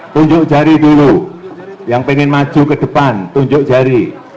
tunjuk jari dulu yang ingin maju ke depan tunjuk jari